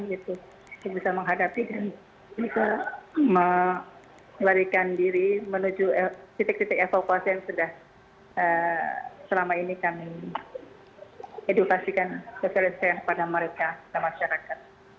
kita bisa menghadapi dan bisa melarikan diri menuju titik titik evakuasi yang sudah selama ini kami edukasikan sosialisasi kepada mereka kepada masyarakat